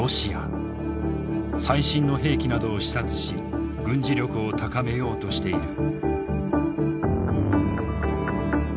最新の兵器などを視察し軍事力を高めようとしている。